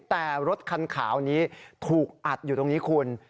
แต่รถคันขาวนี้ถูกอัดอยู่ตรงนี้คุณ